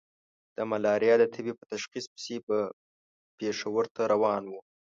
د ملاريا د تبې په تشخيص پسې به پېښور ته روان وو.